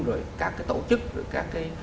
rồi các cái tổ chức rồi các cái